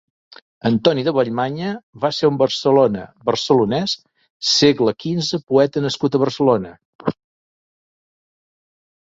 Antoni de Vallmanya va ser un barcelona, Barcelonès, segle quinze Poeta nascut a Barcelona.